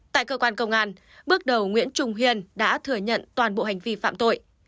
tại cơ quan công an bước đầu nguyễn trung hiền đã thừa nhận toàn bộ hành vi phạm tội